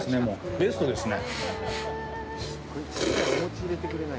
ベストですね。